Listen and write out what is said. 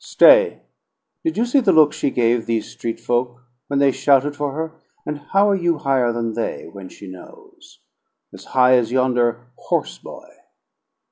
"Stay! Did you see the look she gave these street folk when they shouted for her? And how are you higher than they, when she knows? As high as yonder horse boy!"